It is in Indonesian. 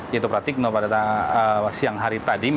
yaitu pratikno pada siang hari tadi